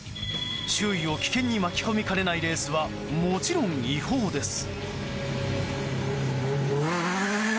周囲を危険に巻き込みかねないレースは、もちろん違法です。